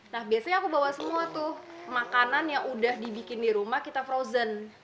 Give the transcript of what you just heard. nah biasanya aku bawa semua tuh makanan yang udah dibikin di rumah kita frozen